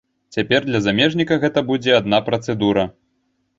Цяпер для замежніка гэта будзе адна працэдура.